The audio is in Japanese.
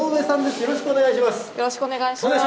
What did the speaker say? よろしくお願いします。